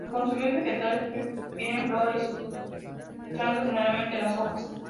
Al consumir vegetales, prefieren flores y frutos, desechando generalmente las hojas.